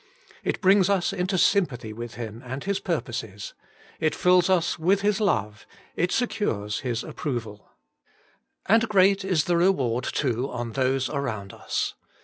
It brings us into sympathy with Him and His purposes ; it fills us with His love ; it secures His ap proval. And great is the reward, too, on those around us.